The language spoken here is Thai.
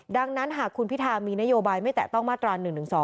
ดังนั้นหากคุณพิธามีนโยบายไม่แตะต้องมาตรา๑๑๒